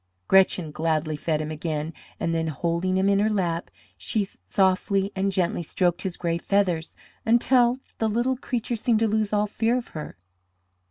Gretchen gladly fed him again, and then, holding him in her lap, she softly and gently stroked his gray feathers until the little creature seemed to lose all fear of her.